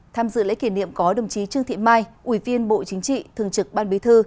tham dự lễ kỷ niệm có đồng chí trương thị mai ủy viên bộ chính trị thường trực ban bí thư